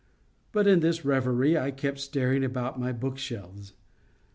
And in this reverie I kept staring about my book shelves.